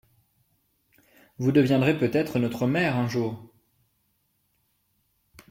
Vous deviendrez peut-être notre maire un jour !